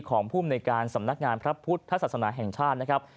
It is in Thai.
ภูมิในการสำนักงานพระพุทธศาสนาแห่งชาตินะครับ